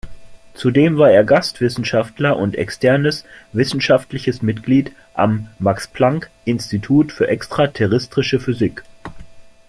Zudem war er Gastwissenschaftler und externes wissenschaftliches Mitglied am Max-Planck-Institut für extraterrestrische Physik.